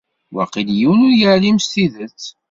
Waqil yiwen ur yeεlim s tidet.